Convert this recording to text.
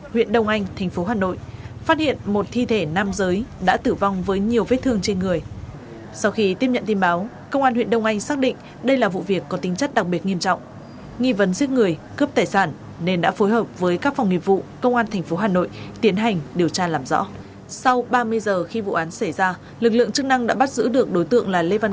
huyện đồng anh nguyễn công xuân xuyên nguyễn phúc xuyên nguyễn phúc xuyên nguyễn phúc xuyên nguyễn phúc xuyên nguyễn phúc xuyên nguyễn phúc xuyên nguyễn phúc